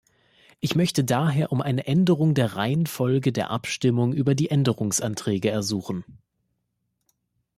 Ich möchte daher um eine Änderung der Reihenfolge der Abstimmung über die Änderungsanträge ersuchen.